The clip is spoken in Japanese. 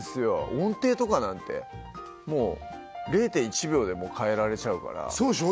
音程とかなんてもう０．１秒で変えられちゃうからそうでしょう？